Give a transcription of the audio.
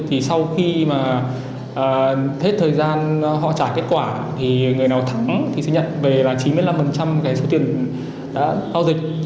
thì sau khi mà hết thời gian họ trả kết quả thì người nào thắng thì sẽ nhận về là chín mươi năm cái số tiền đã giao dịch